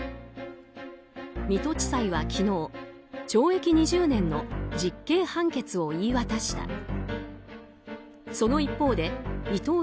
水戸地裁は昨日懲役２０年の実刑判決を言い渡した。